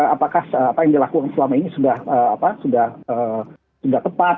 apakah apa yang dilakukan selama ini sudah tepat